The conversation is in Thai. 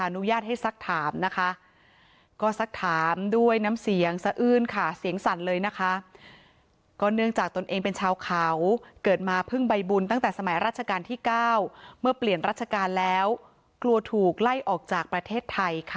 อนุญาตให้สักถามนะคะก็สักถามด้วยน้ำเสียงสะอื้นค่ะเสียงสั่นเลยนะคะก็เนื่องจากตนเองเป็นชาวเขาเกิดมาเพิ่งใบบุญตั้งแต่สมัยราชการที่๙เมื่อเปลี่ยนรัชกาลแล้วกลัวถูกไล่ออกจากประเทศไทยค่ะ